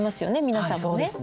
皆さんもね。